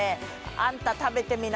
「あんた、食べてみな！